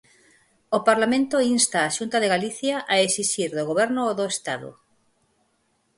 O Parlamento insta a Xunta de Galicia a exixir do Goberno do Estado.